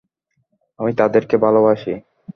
আমি তাদেরকে ভালবাসি।